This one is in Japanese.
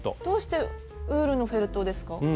どうしてウールのフェルトですか？